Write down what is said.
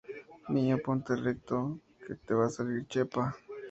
Niño, ponte recto que te va a salir chepa